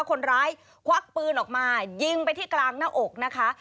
คนร้ายควักปืนออกมายิงไปที่กลางหน้าอกนะคะ